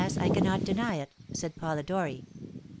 I cannot deny it!' said Polidori.